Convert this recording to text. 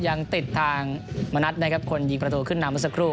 ยังติดทางมณัฏคนยิงประตูขึ้นนำสักครู่